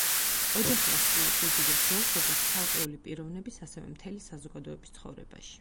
ოჯახი ასრულებს უდიდეს როლს, როგორც ცალკეული პიროვნების, ასევე მთელი საზოგადოების ცხოვრებაში.